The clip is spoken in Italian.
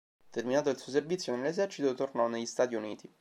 Terminato il suo servizio nell'esercito, tornò negli Stati Uniti.